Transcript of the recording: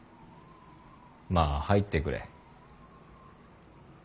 まあ入ってくれ。